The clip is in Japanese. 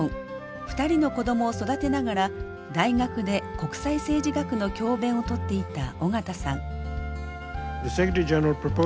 ２人の子どもを育てながら大学で国際政治学の教べんをとっていた緒方さん。